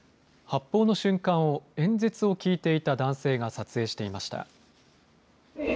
発砲の瞬間を演説を聴いていた男性が撮影していました。